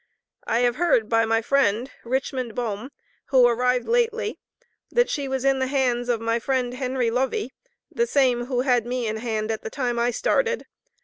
I have heard by my friend Richmond Bohm, who arrived lately, that she was in the hands of my friend Henry Lovey (the same who had me in hand at the time I started).